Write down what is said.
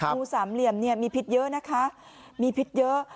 งูสามเหลี่ยมเนี่ยมีพิษเยอะนะคะมีพิษเยอะ